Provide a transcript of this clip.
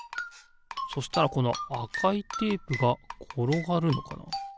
そしたらこのあかいテープがころがるのかな？